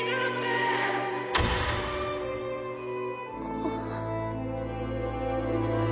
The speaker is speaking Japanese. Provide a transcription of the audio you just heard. あっ。